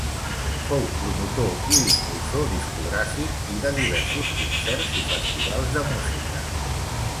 Fou promotor i impulsor discogràfic i de diversos concerts i festivals de música.